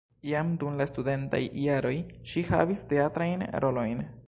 Jam dum la studentaj jaroj ŝi havis teatrajn rolojn.